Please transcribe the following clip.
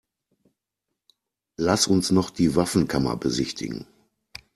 Lass uns noch die Waffenkammer besichtigen.